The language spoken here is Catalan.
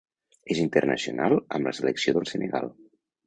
És internacional amb la selecció del Senegal.